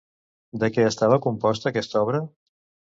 De què estava composta aquest obra?